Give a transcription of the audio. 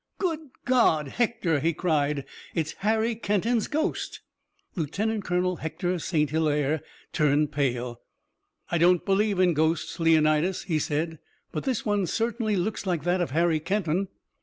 "Good God, Hector!" he cried. "It's Harry Kenton's ghost!" Lieutenant Colonel Hector St. Hilaire turned pale. "I don't believe in ghosts, Leonidas," he said, "but this one certainly looks like that of Harry Kenton."